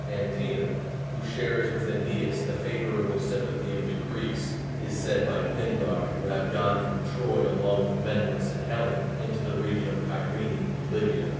Antenor, who shares with Æneas the favorable sympathy of the Greeks, is said by Pindar to have gone from Troy along with Menelaus and Helen into the region of Cyrene in Libya.